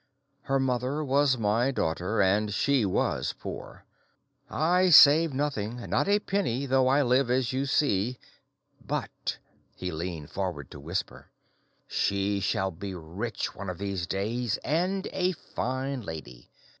"Her mother was my daughter, and she was poor. I save nothing, not a penny, though I live as you see; but"—he leaned forward to whisper—"she shall be rich one of these days and a fine lady.